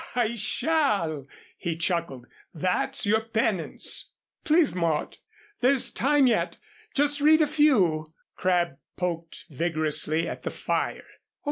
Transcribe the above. "I shall," he chuckled, "that's your penance." "Please, Mort there's time yet just read a few " Crabb poked vigorously at the fire.